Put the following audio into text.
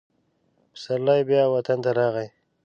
پسرلی بیا وطن ته راغی.